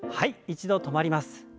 一度止まります。